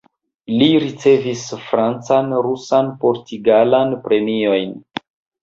Li ricevis francan, rusan, portugalan premiojn.